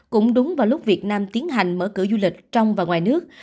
cũng đúng vào lúc việt nam tiến hành mở cửa du lịch trong và ngoài nước